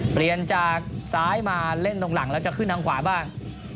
เปลี่ยนจากซ้ายมาเล่นตรงหลังแล้วจะขึ้นทางขวาบ้าง